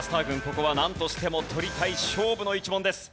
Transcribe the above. ここはなんとしても取りたい勝負の一問です。